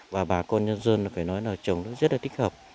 và bà con dân dân phải nói là trồng nó rất là tích hợp